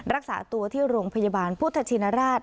รักษาตัวที่โรงพยาบาลพุทธชินราช